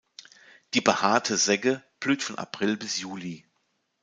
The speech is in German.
Die Behaarte Segge blüht von April bis Juli.